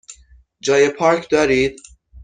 جای پارک دارید؟